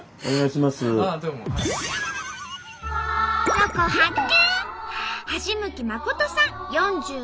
ロコ発見！